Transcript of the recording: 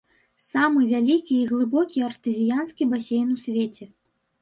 Самы вялікі і глыбокі артэзіянскі басейн у свеце.